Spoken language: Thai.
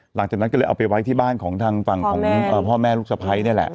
หลังจากนั้นก็เลยเอาไปไว้ที่บ้านของทางฝั่งของพ่อแม่ลูกสะพ้ายนี่แหละ